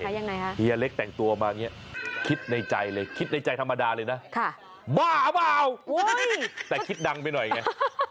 ยังไงคะเฮียเล็กแต่งตัวมาอย่างนี้คิดในใจเลยคิดในใจธรรมดาเลยนะบ้าเปล่าแต่คิดดังไปหน่อยไง